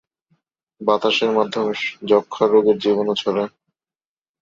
বাতাসের মাধ্যমে যক্ষা রোগের জীবাণু ছড়ায়।